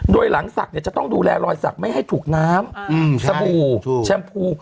โดยหลังศักดิ์จะต้องดูแลรอยสักไม่ให้ถูกน้ำสบู่แชมพู